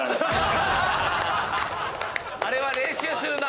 あれは練習するな。